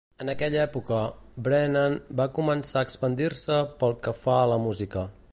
En aquella època, Brennan va començar a expandir-se pel que fa a la música.